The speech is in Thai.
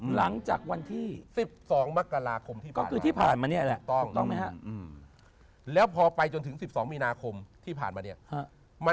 หลังจากวันที่๑๒มกราคมที่ผ่านมา